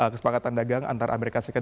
kesepakatan dagang antara amerika serikat